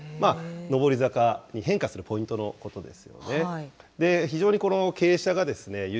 上り坂に変化するポイントのことです。